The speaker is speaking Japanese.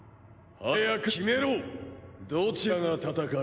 早く決めろどちらが戦う？